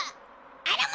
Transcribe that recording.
あらま！